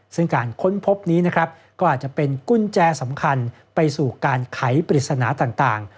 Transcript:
ซึ่งการค้นพบนี้นะครับก็อาจจะเป็นกุญแจสำคัญไปสู่การไขปริศนาต่าง